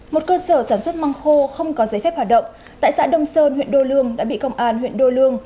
một cơ sở sản xuất măng khô không có giấy phép hoạt động tại xã đông sơn huyện đô lương đã bị công an huyện đô lương